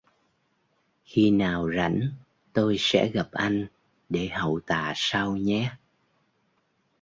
Khi nào rảnh tôi sẽ gặp anh để hậu tạ sau nhé